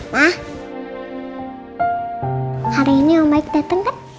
ma hari ini ombak dateng kan